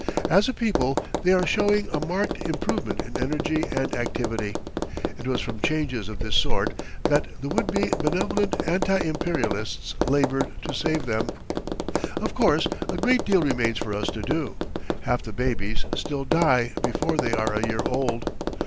As a people, they are showing a marked improvement in energy and activity. It was from changes of this sort that the would be benevolent anti imperialists laboured to save them. Of course, a great deal remains for us to do. Half the babies still die before they are a year old.